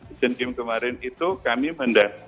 asian game kemarin itu kami mendah